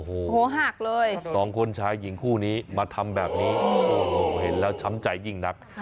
โอ้โหหัวหักเลยสองคนชายหญิงคู่นี้มาทำแบบนี้โอ้โหเห็นแล้วช้ำใจยิ่งนัก